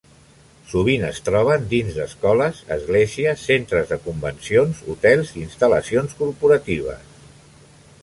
Sovint es troben dins d'escoles, esglésies, centres de convencions, hotels i instal·lacions corporatives.